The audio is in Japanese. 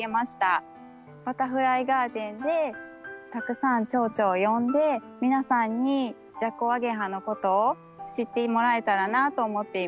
バタフライガーデンでたくさんチョウチョを呼んで皆さんにジャコウアゲハのことを知ってもらえたらなと思っています。